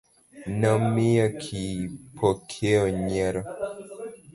Nomiyo Kipokeo nyiero.